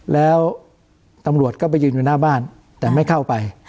แล้วตำรวจก็ไปยืนอยู่หน้าบ้านแต่ไม่เข้าไป